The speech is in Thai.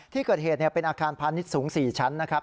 ที่เกิดเหตุเป็นอาคารพาณิชย์สูง๔ชั้นนะครับ